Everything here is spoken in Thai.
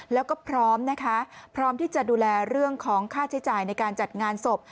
แล้วก็พร้อมนะคะพร้อมที่จะดูแลเรื่องของค่าใช้จ่ายในการจัดงานศพ